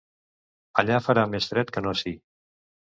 Allà farà més fred que no ací...